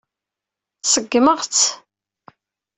Ṣeggmeɣ-tt.